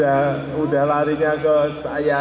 wah ini udah larinya ke saya